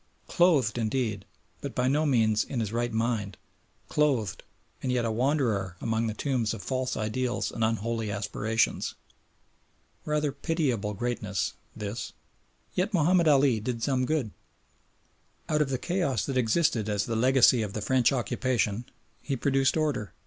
"Clothed" indeed, but by no means "in his right mind," "clothed" and yet a wanderer among the tombs of false ideals and unholy aspirations. Rather pitiable greatness this! Yet Mahomed Ali did some good. Out of the chaos that existed as the legacy of the French occupation he produced order.